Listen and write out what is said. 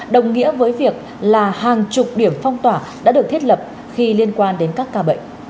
đồng nghĩa với việc là hàng chục điểm phong tỏa đã được thiết lập khi liên quan đến các ca bệnh